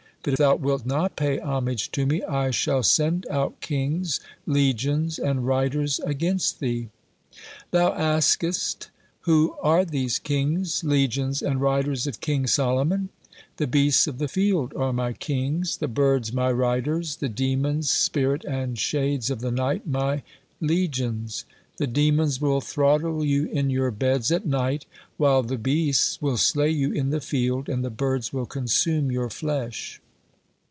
But if thou wilt not pay homage to me, I shall send out kings, legions, and riders against thee. Thou askest, who are these kings, legions, and riders of King Solomon? The beasts of the field are my kings, the birds my riders, the demons, spirit, and shades of the night my legions. The demons will throttle you in your beds at night, while the beasts will slay you in the field, and the birds will consume your flesh."